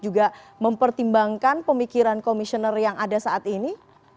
juga mempertimbangkan pemikiran komisioner yang ada saat ini